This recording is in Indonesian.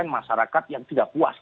masyarakat yang tidak puas